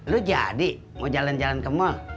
lo jadi mau jalan jalan ke mall